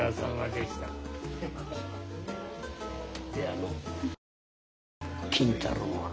であの金太郎は？